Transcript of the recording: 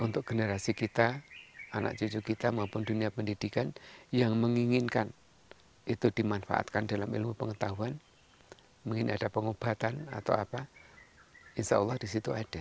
untuk generasi kita anak cucu kita maupun dunia pendidikan yang menginginkan itu dimanfaatkan dalam ilmu pengetahuan mungkin ada pengobatan atau apa insya allah disitu ada